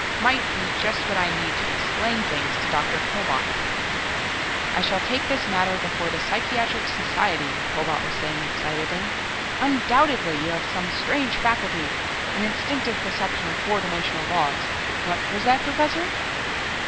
"Might be just what I need to explain things to Dr. Pillbot." "I shall take this matter before the Psychiatric Society," Pillbot was saying excitedly. "Undoubtedly you have some strange faculty an instinctive perception of four dimensional laws ... what was that, Professor?"